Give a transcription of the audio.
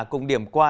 cùng điểm quay lại